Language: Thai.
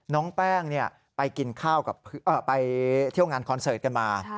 น้องแป้งไปเที่ยวงานคอนเสิร์ตกันมา